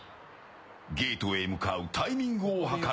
ゲートへ向かうタイミングを計る。